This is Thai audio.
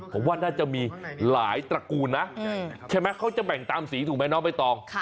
ผมว่าน่าจะมีหลายตระกูลนะใช่ไหมเขาจะแบ่งตามสีถูกไหมน้องใบตอง